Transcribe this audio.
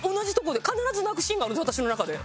必ず泣くシーンがあるんです